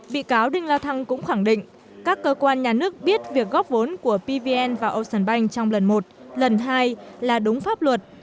bị cáo đinh la thăng cũng khẳng định các cơ quan nhà nước biết việc góp vốn của pvn và ocean bank trong lần một lần hai là đúng pháp luật